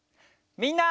みんな。